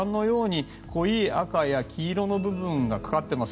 濃い赤や黄色の部分がかかってます。